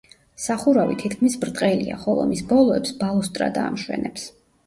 სახურავი თითქმის ბრტყელია, ხოლო მის ბოლოებს ბალუსტრადა ამშვენებს.